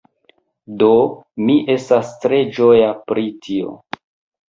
Do mi estas tre ĝoja pri tio.